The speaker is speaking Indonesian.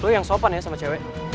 itu yang sopan ya sama cewek